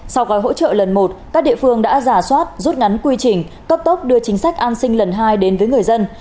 sau gói hỗ trợ lần một các địa phương đã giả soát rút ngắn quy trình cấp tốc đưa chính sách an sinh lần hai đến với người dân